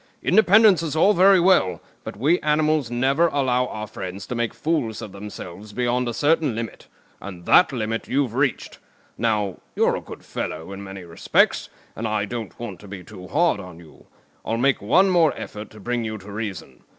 Independence is all very well, but we animals never allow our friends to make fools of themselves beyond a certain limit; and that limit you've reached. Now, you're a good fellow in many respects, and I don't want to be too hard on you. I'll make one more effort to bring you to reason.